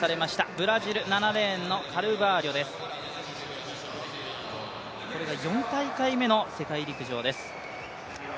ブラジル、７レーンのカルバーリョです、これが４大会目の世界陸上です。